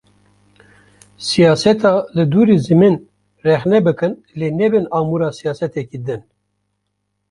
Siyaseta li dûrî zimên rexne bikin lê nebin amûra siyaseteke din.